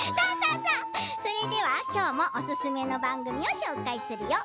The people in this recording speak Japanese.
きょうもおすすめの番組を紹介するよ。